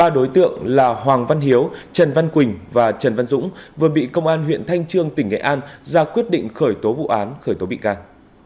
ba đối tượng là hoàng văn hiếu trần văn quỳnh và trần văn dũng vừa bị công an huyện thanh trương tỉnh nghệ an ra quyết định khởi tố vụ án khởi tố bị can